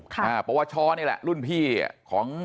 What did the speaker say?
เพราะว่าช้อนี่แหละรุ่นพี่ของ